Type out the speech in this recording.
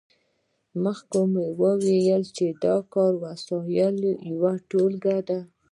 مخکې مو وویل چې د کار وسایل یوه ټولګه ده.